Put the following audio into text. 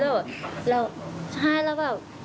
แล้วใช่แล้วแบบ